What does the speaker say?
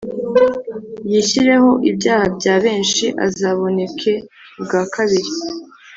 yishyireho ibyaha bya benshi, azaboneke ubwa kabiri